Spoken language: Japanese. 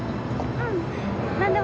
うん。